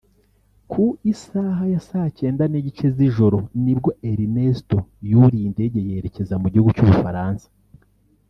Ku isaha ya saa cyenda n’igice z’ijoro nibwo Ernesto yuriye indege yerekeza mu gihugu cy’Ubufaransa